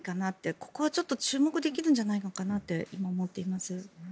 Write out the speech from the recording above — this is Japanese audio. ここはちょっと注目できるんじゃないのかなと今、思っています。